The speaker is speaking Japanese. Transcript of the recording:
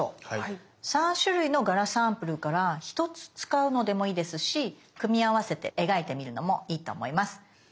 ３種類の柄サンプルから１つ使うのでもいいですし組み合わせて描いてみるのもいいと思います。